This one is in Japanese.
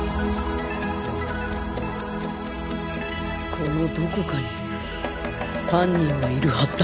このどこかに犯人はいるはずだ！